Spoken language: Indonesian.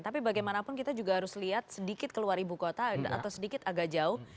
tapi bagaimanapun kita juga harus lihat sedikit keluar ibu kota atau sedikit agak jauh